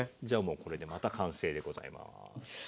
じゃあもうこれでまた完成でございます。